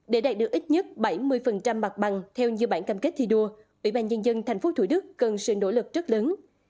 để đạt được ít nhất bảy mươi mặt bằng theo như bản cam kết thi đua ủy ban nhân dân tp thủ đức cần sự nỗ lực rất lớn